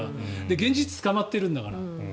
現実、捕まってるんだから。